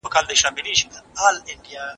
ښاري ژوند محدود و.